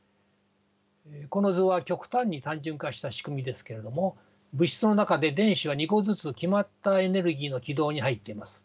この図は極端に単純化した仕組みですけれども物質の中で電子は２個ずつ決まったエネルギーの軌道に入っています。